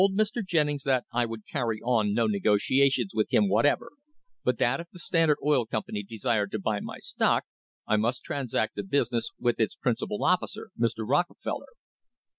I told Mr. Jennings that I would carry on no negotia tions with him whatever, but that if the Standard Oil Company desired to buy my stock I must transact the business with its principal officer, Mr. Rockefeller.